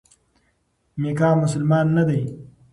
میکا مسلمان نه دی.